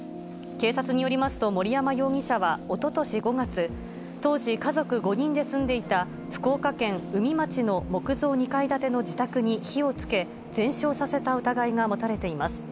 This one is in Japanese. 警察によりますと、森山容疑者はおととし５月、当時、家族５人で住んでいた福岡県宇美町の木造２階建ての自宅に火をつけ、全焼させた疑いが持たれています。